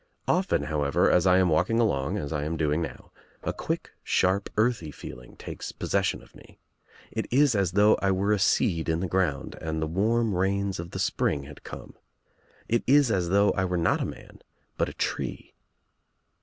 Often however as I am walking along as I am doing now, a quick sharp earthy feeling takes possession of me. It is as though I were a seed in the ground and the warm rains of the spring had come. It is as though I were not a man but a tree.